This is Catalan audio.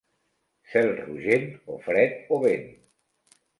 Cel rogent, o fred o vent.